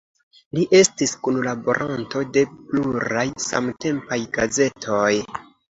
Li estis kunlaboranto de pluraj samtempaj gazetoj.